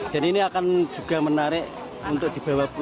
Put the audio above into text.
dan ini akan juga menarik untuk dibawa pulang ke tempat